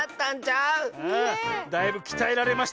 ⁉ああだいぶきたえられましたよ。